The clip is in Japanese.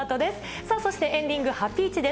さあそしてエンディング、ハピイチです。